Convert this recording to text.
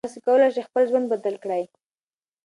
تاسو کولی شئ خپل ژوند بدل کړئ.